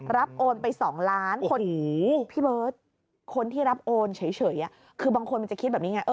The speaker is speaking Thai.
รับโอนไปสองล้านพี่เบิร์ทคนที่รับโอนเฉยคือบางคนจะคิดแบบนี้ไง